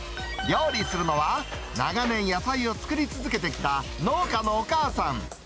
料理するのは、長年野菜を作り続けてきた農家のお母さん。